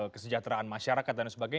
kesejahteraan masyarakat dan sebagainya